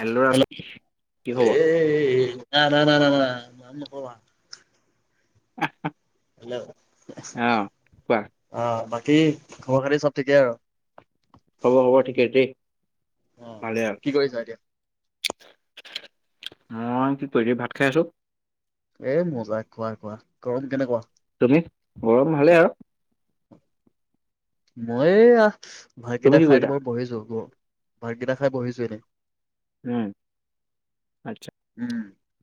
Hello Raj কি খবৰ? এই না না না না না নাম নকবা অ অ হেল্লো কোৱা অ কি খবৰ খাতি চব ঠিকে আৰু হ'ব-হ'ব ঠিকে দ অ কি কৰিছা এতিয়া? মই কি কৰিল ভাত খাই আছো। এ মজা খোৱা খোৱো, গৰম কেনেকুৱা? তুমি গৰম ভালেই আৰু মই এয়া তুমি ভাতকেইটা কি খাই কৰিছা? মই বহিছো গ ভাত কেইটা খাই বহিছো এনেই। উম আচ্ছা উম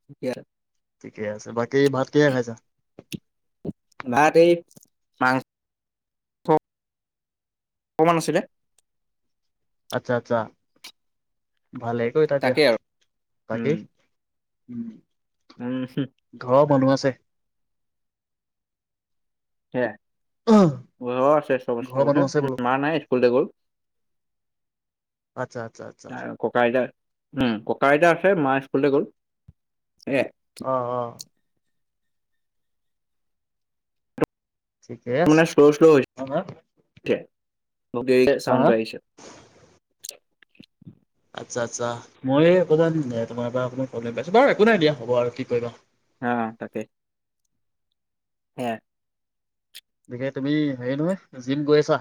ঠিকে আছে। ঠিকে আছে বাকী ভাত কিহে খাইছা। ভাত এই মা অকমান আছিলে। আচ্ছা-আচ্ছা। ভালে কতা দিয়া তাকেই আৰু বাকী। উম [unintelligible] উম ঘৰৰ মানুহ আছে সে আহ, ঘৰৰ মানুহ [unintelligible] আছে বোলো মা নাই স্কুললৈ গ'ল। আচ্ছা আচ্ছা আচ্ছা [unintelligible] ককা আইতা উম, ককা আইতা আছে, মা স্কুললৈ গ'ল। এ অ, অ। ঠিকে আছে হা হা [unintelligible] হা হা? চাউন্ডটো আহিছে। আচ্ছা আচ্ছা, মই অকমান তোমাৰ পৰা অকমান প্ৰব্লেম পাইছো বাৰু একো নাই দিয়া হ'ব আৰু কি কৰিবা। হা তাকেই। [unintelligible] [unintelligible] তুমি হেৰি নহয়, জিম গৈ আছা?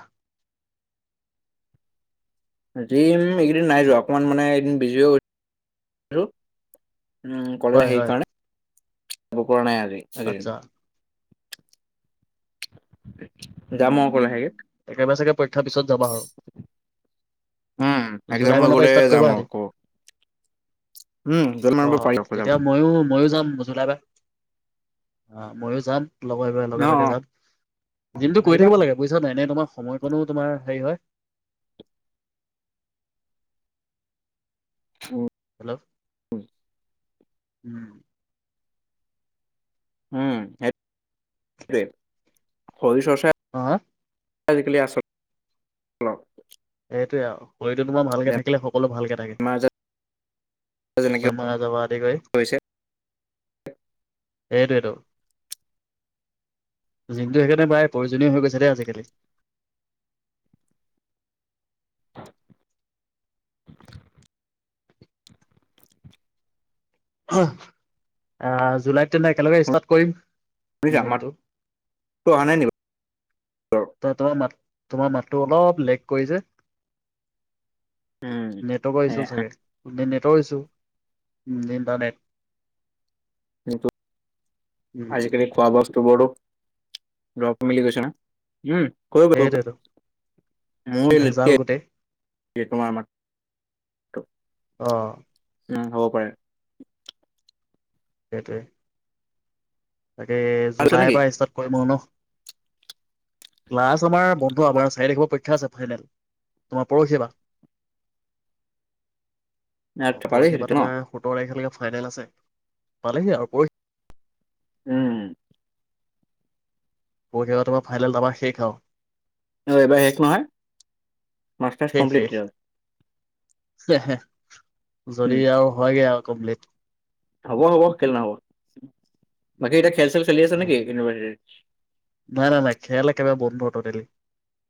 জিম, এইকেইদিন নাই যোৱা অকমান মানে এদিন বিজি হৈ গৈ উম, হয় [unintelligible] সেই হয় কাৰণে [unintelligible] কৰা নাই আৰ আচ্ছা [unintelligible] উম। যাম অকলে উম। [unintelligible] একেবাৰে চাগে পৰীক্ষাৰ পিছত যাবা আৰু। উম, একদম জুলাই হৈ মানৰ পৰা গ'লে ষ্টাৰ্ট যাম কৰিবা আৰু সিহঁতি কব অ, যাব। তেতিয়া ময়ো ময়ো যাম [unintelligible] অ, ময়ো যাম। [unintelligible] লগে অ ভাগে অ যাম, জিমটো কৰি আহিবা থাকিব লাগে বুজিছা নে নাই এনেই তোমাৰ সময়কণ তোমাৰ হেৰি হয়। হেল্ল' [unintelligible] উম। উম, [unintelligible] শৰীৰৰ চৰ্চা অ হা, আজিকালি আচল ল সেইটোৱে আৰু। শৰীৰটো তোমাৰ ভালকে থাকিলে সকলো ভালকে থাকে। বেমাৰ আজাৰ যেনেকে বেমাৰ আজাৰ হোৱাৰ আদি কৰি। হৈছে সেইটোৱেইটো। জিমটো সেইকাৰণে প্ৰায় প্ৰয়োজনীয় হৈ গৈছে দেই আজিকালি। [unintelligible] আহ জুলাইত তেনে একেলগে ষ্টাৰ্ট কৰিম। [unintelligible] মাত জিমটো টো অহা নাই নি বা ত-ত মাত তোমাৰ মাতটো অলপ লেক কৰিছে। উম নেটৱৰ্কৰ এ ইছু চাগে, নে-নেট আঁতৰিছো উম, ইণ্টাৰনেট কিন্তু উম, আজিকালি খোৱা বস্তু বোৰতো [unintelligible] মিলি গৈছে ন? উম, সেইটোৱেতো ভেজাল গোটেই [unintelligible] অ উম, হ'ব পাৰে। সেইটোৱে। তাকে পাইছা জুলাইৰ নেকি পৰা ষ্টাৰ্ট কৰিম আৰু ন'। লাষ্ট আমাৰ বন্ধু আমাৰ চাৰি লখিব পৰীক্ষা আছে ফাইনেল তোমাৰ পৰহি বা অ', পালিহি পৰহি বা তেতিয়া ন তোমাৰ সোতৰ তাৰিখলৈকে ফাইনেল আছে পালেহি আৰু পৰি উম। পক্ষা তোমাৰ ফাইনেল ত আমাৰ শেষ আওঁ। অ', এবাৰ শেষ নহয় মাষ্টাৰ্চ শেষ কমপ্লিট। শেষ উম যদি আৰু হয়গে আৰু কম্পলিট। হ'ব হ'ব কেলে নহ'ব। বাকী এতিয়া খেল চেল চলি আছে নেকি ইউনিভাৰ্চিটিৰ? নাই, নাই, নাই, খেল একেবাৰে বন্ধু হ'ত দেলি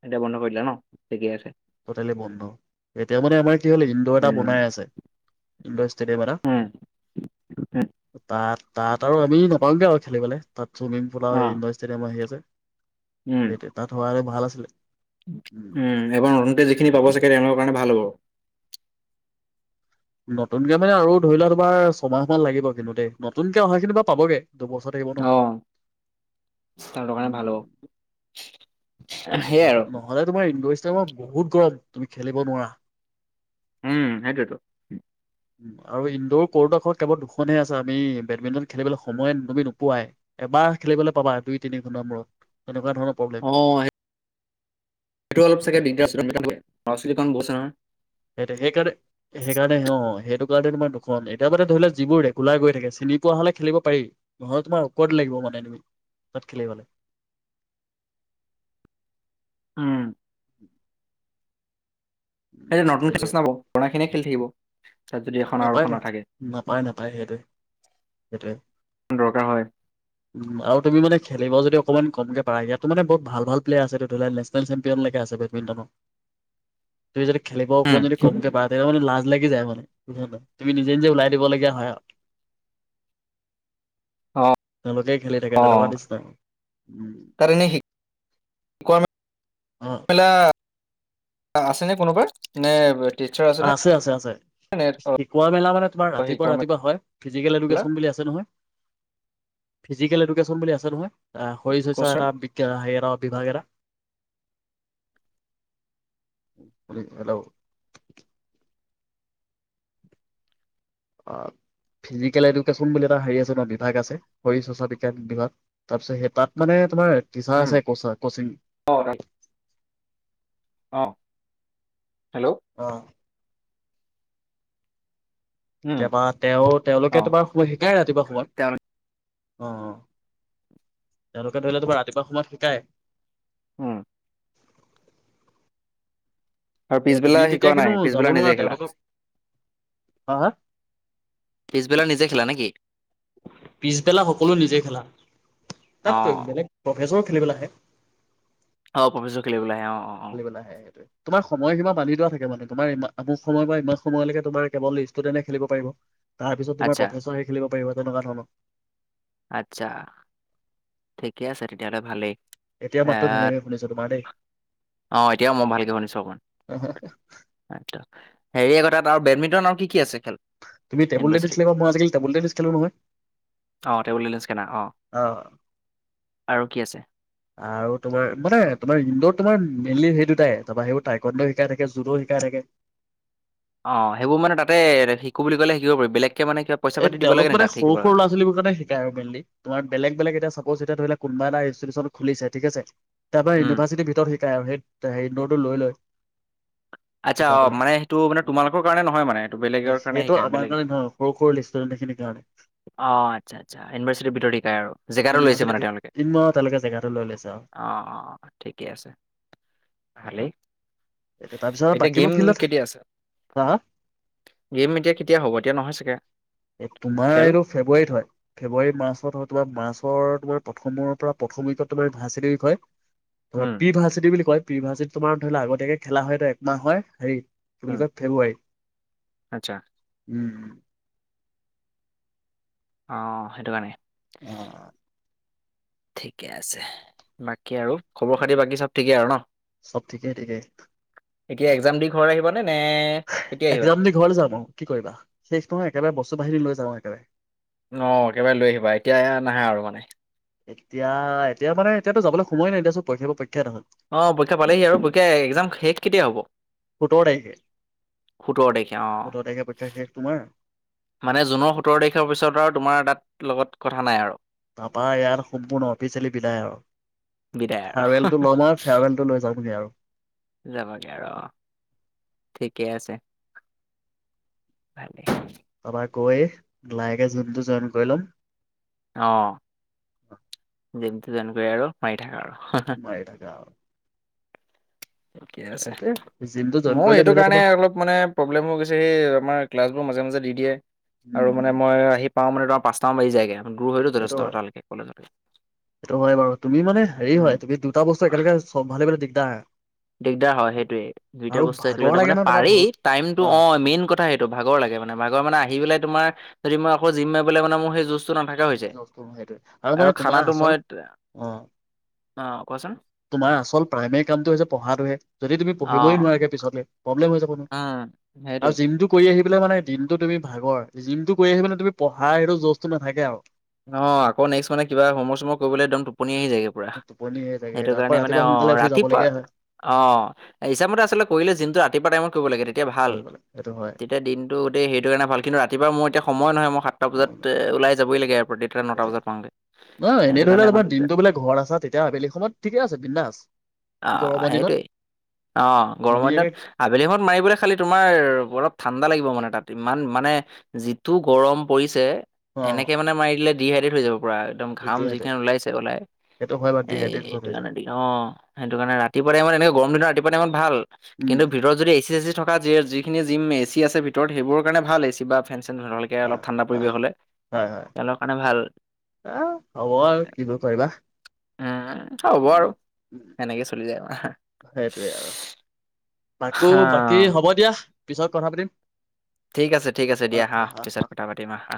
এতিয়া বন্ধ কৰিলা ন' ঠিকে আছে। টোটেলি বন্ধ, এতিয়া মানে আমাৰ তেতি হ'লে ইনডৰ এটা উম বনাই আছে ইনডৰ ষ্টেডিয়াম এটা উম উম তাত তাত আৰু আমি নাপাওঁগে আৰু খেলিবলৈ তাত চুমিং পুল অ আৰু ইণ্ডৰ ষ্টেডিয়াম আহি আছে। উম সেইটোৱে তাত হোৱা হ'লে ভাল আছিলে উম, [unintelligible] যিখিনি পাব চাগে তেওঁলোকৰ কাৰণে ভাল হ'ব। নতুনকে মানে আৰু ধৰি লোৱা তোমাৰ ছমাহ মান লাগিব কিন্তু দেই নতুনকে অহাখিনি বাৰু পাবগে দুবছৰ থাকিব ন। অহ, তাহঁতৰ কাৰণে ভাল উম, হ'ব। সেইটোৱে সেইয়াই আৰু নহ'লে তোমাৰ [unintelligible] বহুত গৰম। তুমি খেলিব নোৱাৰা। উম হেইটোতো উ আৰু ইনডোৰ ক'ৰ্ডোখ কেৱল দুখনহে আছে আমি বেডমিন্টন খেলিবলৈ সময় ন নুমি নোপোৱাই এবাৰ খেলিবলৈ পাবা দুই তিনি ঘণ্টাাৰ মূৰত তেনেকুৱা ধৰণৰ প্ৰব্লেম অ সেইটো অলপ চাগে দিগদাৰৰাস্ীকণ বছে নহয় সেই সেইকাৰণে সেইকাৰণে অ সেইটো তোমাৰ দুখন এতিয়া মাে ধৰি ললে যিবোৰ ৰেগুলাৰ গৈ থাকে চিনি পোৱা হ'লে খেলিব পাৰি ন তোমাৰ ঔকৰত লাগিব মানে তুমি তাত খেলিবলৈ উম উম সেইটো নতুন এইটোৱে াবনা খিনিয় খেলি থাকিব তাত যদি এখন আৰু নাপায় এখন ন নাথাকে নাপায় নাপায় সেইটোৱে সেইটোৱে দৰকাৰ হয় উম আৰু তুমি মানে খেলিবা যদি অকণমান কমকৈ পাৰ ইয়াতো মানে বহুত ভাল প্লেয়াৰ আছেতি ধৰি ললে নেনেল চেম্পিয়নলৈকে আছে বেডমিণ্টনৰ তুমিদি খেলিব উম অকমান যদি কমকে বাা তেয়া মানো লকে যায় মানে বুা নাই তুমি নিজে নিজে ওলাই দিব লগগীয়া হয় আৰু অ তেওঁলোকেই খেলি থাকে অ তেনেকুৱা দিছ নাই উ তাত এনেই আহ আছে ন কোনোবাৰ নে টিচাৰ আছেনে আছে আছে আছে নে শিকোৱা মেলা মানে তোমাৰ ৰাতিপুৱা শিকোৱা ৰাতিপুৱা হয় ফিজিকেল মেলা এডুকেন বুলি আছে নহয় ফিজিকেল এডুকেচন বুলি আছে নহয় এ শ চচ্য কচাৰ এটা বি্ঞ হেত বিভাগ হেল্ল' অ ফিজিকেল এডুকেশ্যন বুলি এটা হে আছে বিভাগ আছে শৰ চৰ্চা বিজ্ঞান বিভাগ তাৰপিছত সেই তাত মানে তোমাৰ কি চা উম আছে কচা কচিং অ হেল্ল' অ উম মাৰ তেওঁ অ তেওঁলোকে তোমাৰ শিকাই ৰাতিপুৱা সোমত অ তেওঁলোকে ধৰি লো বাাৰ ৰাতিপুৱা সময়ত শিকায় উম আৰু এ পিছবেলা তুমি শিকোৱা তেতিয়া নাই কিন্তু যাব পিছবেলা নিজে নোৱাৰা খেলা তেওঁলোকক হা হা পিছবেলা নিজে খেলা নেকি পিছবেলা সকলো নিজে খেলা অ তাত তই বেলেগ প্ৰফেচন এেবেল আহ অ প্ৰফিচ খেলিবলৈ আহ অ অ অ খালিিবেলা হে সেইটোৱে তোমাৰয় সীম বান্ধি যোৱা থাকে মানে তোমাৰ ই আমুক সময় বা ইমান সময়লৈকে তোমাৰ কেৱল ষ্টুডেণ্টে খেলিব পাৰিব তাৰ পিছতোমাৰ আচ্ছা প্ৰফেচৰে খেলিব পাৰিব ধন্যবাদ শন আচ্ছা ঠিকে আছে তেতিয়াহ'লে ভালেই। এতিয়া এ মাতটো ধুনীয়াকে শুনিছো তোমাৰ দেই অ এতিয়াও মই ভালকে বননিছো অকমান আচ্ছা। হেৰি আকৌ তাত আৰু বেডমিণ্টন আৰু কি কি আছে খেল। তুমি টেবুল টেনিছ ইউনিভাৰ্চিটিত খেলিবা মই আজি কালি টেবুল টেনিছ খেলো নহয় অ টেবুল টেনিছ খেলা অ। আৰু কি আছে আৰু তোমাৰ মানে তোমাৰ ইন্দ্ৰ। তোমাৰ মেইনলি সেই দুটাই তাৰপৰা সেইবোৰ টাইকণ্ডও শিকাই থাকে জুডোও শিকাই থাকে। অ সেইবোৰ মানে তাতে শিকো বুলি ক'লে শিকিব পাৰি বেলেগ। এ তেওঁলোক মানে সৰু সৰু ল'ৰা ছোৱালীবোৰ কাৰণে শিকায় আৰু মেইনলি তোমাৰ বেলেগ বেলেগ এতিয়া চাপজ এতিয়া ধৰি। কোনোব এটা ইঞ্চটিটিউচন খুলিছে ঠিক আছে। তাৰ পৰা উম ইউনিভাৰ্চিটি ভিতৰত। সেই হে নটো লৈ লয়। আচ্ছা শিকাই অ পেলাই মানে সেইটো মানে তোমালোকৰ কাৰণে নহয়। মানে এইটো বেলেগৰ কাৰণে সেইটো শিকায় আমাৰ বেলেগে। কাৰণে নহয় সৰু সৰু ৰেষ্টুৰেণ্ট খিনিৰ কাৰণে অ আচ্ছা আচ্ছা ইউনিভাৰ্চিটিৰ ভিতৰত শিকাই আৰু জেগাটো লৈছে। ইউনিভাৰ্চিটিৰ মানে তেওঁলোকে ভিতৰত তিনমাহ তালৈকে জেগাটো লৈ লৈছে আৰু অ অ ঠিকে আছে ভাল। [unintelligible] এইটো তাৰপিছত। বাকীবোৰ গেম ফিল্ডত কেতিয়া আছে। চা গেম এতিয়া কেতিয়া হ'ব এতিয়া নহয়। তাকে। এ তোমাৰ এইটো ফেব্ৰুৱাৰীত হয়। ফেব্ৰুৱাৰী মাৰ্চত হয়তোবা মাৰ্চত। তোমাৰ প্ৰথমৰ পৰা প্ৰথম উইকত তোমাৰ ভাৰ্চিটি উইক হয়। তোমাৰ উম পি ভাৰ্চিটি বুলি কয়। প্ৰি ভাৰ্চিটি তোমাৰ ধৰি লোৱা আগতীয়াকে খেলা হয়। এইটো একমাহ হয় হেৰি। উম বুলি কয় ফেব্ৰুৱাৰী আচ্ছা উম। অ সেইটো কাৰণে। অহ। ঠিকে আছে বাকী আৰু খবৰ খাতি বাকী চব ঠিকে আৰু ন চব ঠিকেই ঠিকেই। এতিয়া একজাম দি ঘৰ আহিবানে। একজাম দি ঘৰলৈ যাম। আৰু কি কৰিবা শেষ নহয় একেবাৰে বস্তু বাহানি লৈ য। যাম আও একেবাৰে। অ একেবাৰে লৈ আহিবা এতিয়া নাহা আৰু মানে। এতিয়া এতিয়া মানে এতিয়াতো যাবলৈ সময় নাই এতিয়া চোন পৰীক্ষাবোৰ প। অ পৰীক্ষা পালেহি আৰু পৰীক্ষা একজাম শেষ কেতিয়া হ'ব সোতৰ তাৰিখে সোতৰ তাৰিখে অ। সোতৰ তাৰিখে পৰীক্ষা শেষ তোমাৰ মানে জুনৰ সোতৰ তাৰিখৰ পিছত আৰু তোমাৰ তাত লগত কথা নাই আৰু। তাপা ইয়াত সম্পূৰ্ণ অফিচিয়েলি বিদায় আৰু বিদায় ফেয়াৰৱেল আৰু টো লম আৰু ফেয়াৰৱেল টো লৈ যামগৈ আৰু। যাবাগে আৰু অ', ঠিকেই আছে ভালেই। তাপৰা গৈয়ে লাহেকে জিমটো জইন কৰি ল'ম। অ'। তেন্ত তেনেকৈ আৰু মাৰি থাকা আৰু। মাৰি থাকা আও। ঠিকে আছে, জিমটো জইন মোৰ কৰিলে এইটো ধৰি লোৱা কাৰণে তোমাৰ অলপ মানে প্ৰব্লেম হৈ গৈছে এই আমাৰ ক্লাছ মাজে, মাজে দি দিয়ে আৰু উম মানে মই আহি পাঁও মানে তোমাৰ পাঁচটা মান বাজি যাইগে। দূৰ হয়তো, সেইটো যথেষ্ট হয় তালেকে কলেজলে সেইটো হয় বাৰু, তুমি মানে হেৰি হয় তুমি দুটা বস্তু একেলগে চম্ভালিব দিগদাৰ। দিগদাৰ হয় সেইটোৱে, দুইটা আৰু বস্তু ভাগৰ একেলগতে লাগে মানে ন তোমাৰ পাৰি বহুত টাইমটো, অ', মেইন কথা সেইটো ভাগৰ লাগে মানে ভাগৰ মানে আহি পেলাই তোমাৰ যদি মই আকৌ জিম মাৰিব মানে মোৰ সেই যুচ [inaudible] সেইটোৱে আৰু মানে তোমাৰ খানাটো আচল, মই অ', অ', কোৱাচোন তোমাৰ আচল প্ৰাইমেৰী কামটো হৈছে পঢ়াত [unintelligible] যদি তুমি অ'। পঢ়িবই নোৱাৰাগে পিছলে প্ৰব্লেম হৈ যাব উম, নহয় আৰু সেইটোৱে। জিমটো কৰি আহি [unintelligible] মানে দিনটো তুমি ভাগৰ, জিমটো কৰি আহি মানে তুমি পঢ়া সেইটো জচটো নাথাকে আৰু অ', আকৌ নেক্স মানে কিবা হোমৱৰ্ক সমৱৰ্ক কৰিবলৈ একদম টোপনি আহি যায়গে পুৰা, টোপনি হৈ থাকে সেইটো আকৌ কাৰণে মানে ৰাতিপুৱা অ', সোনকালে উঠি ৰাতিপুৱা যাবলগীয়া হয় অ', ইচ্ছামতে আচলতে কৰিলে জিমটো ৰাতিপুৱা টাইমত কৰিব লাগে তেত তিয়া ভাল, কৰিবলৈ সেইটো হয়। তেতিয়া দিনতটো গোটেই সেইটো কাৰণে ভাল কিন্তু ৰাতিপুৱা মোৰ এতিয়া সময় নহয় মই সাতটা বজাত ওলাই যাবই লাগে এ [unintelligible] নটা সেইটোৱে বজাত পাওঁগে নহয় সেইটো এনেই ধৰি কাৰণে লোৱা অকন তোমাৰ দিগদাৰ দিনটো বোলে ঘৰত আছা তেতিয়া আবেলি সময়ত ঠিকে আছে বিন্দাছ। অহ, গৰমৰ দিনত সেইটোৱেই, অ', গৰমৰ দিনত ধুনীয়াকে আবেলি সময়ত মাৰিবলৈ খালি তোমাৰ অলপ ঠাণ্ডা লাগিব মানে তাত ইমান মানে যিটো গৰম পৰিছে অ এনেকে মানে মাৰি লে ডিহাইড্ৰেত হৈ যাব। পুৰা একদম ঘাম যিখনি ডিহাইড্ৰেট ওলাইছে-ওলাই। সেইটো হয় বাৰু এই ডিহাইড্ৰেট এইটো হৈ যায় কাৰণে দিগ, অ', সেইটো কাৰণে ৰাতিপুৱা টাইমত ইনা গৰম দিনত ৰাতিপুৱা টাইমত ভাল, উম কিন্তু ভিতৰত যদি এচি চেচি থকা যি-যিখিনি জিম এ চি আছে ভিতৰত সেইবোৰৰ কাৰণে ভাল এচি বা ফেন চেন এনেকে অলপ হয় ঠাণ্ডা পৰিৱেশ হয় হ'লে। মানে ভাল অহ, হ'ব আৰু কিনো কৰিবা, উম, হ'ব আৰু সেনেকে চলি যায় আমাৰ। সেইটোৱে আৰু। আকৌ হা বাকী হ'ব দিয়া। পিছত কথা পাতিম ঠিক আছে-ঠিক আছে অ দিয়া, হা অ অ পিছত কথা পাতিম হা-হা